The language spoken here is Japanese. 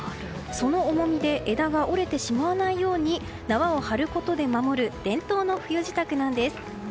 その重みで枝が折れてしまわないように縄を張ることで守る伝統の冬支度なんです。